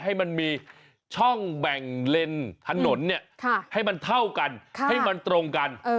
ให้มันมีช่องแบ่งเลนถนนให้มันเท่ากันให้มันตรงกัน